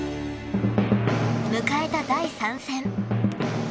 迎えた第３戦。